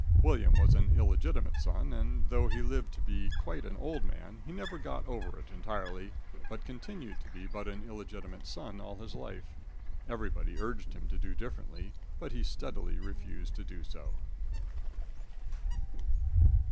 William was an illegitimate son, and, though he lived to be quite an old man, he never got over it entirely, but continued to be but an illegitimate son all his life. Everybody urged him to do differently, but he steadily refused to do so.